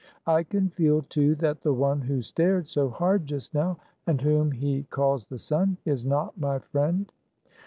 I can feel, 204 too, that the ont who stared so hard just now, and whom he ca Is the sun, is not my friend."